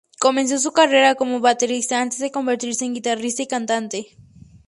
Comenzó su carrera como baterista antes de convertirse en guitarrista y cantante.